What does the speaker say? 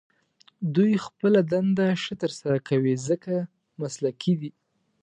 دوی خپله دنده ښه تر سره کوي، ځکه مسلکي دي.